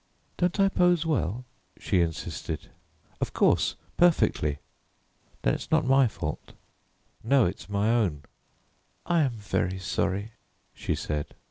"Don't I pose well?" she insisted. "Of course, perfectly." "Then it's not my fault?" "No. It's my own." "I am very sorry," she said.